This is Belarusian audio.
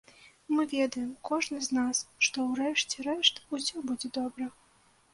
Мы ведаем, кожны з нас, што ў рэшце рэшт усё будзе добра.